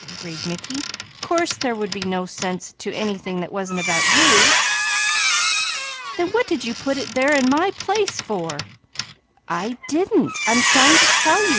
agreed Mickey. "Course there would be no sense to anything that wasn't about you!" "Then what did you put it there in my place for?" "I didn't! I'm trying to tell you!"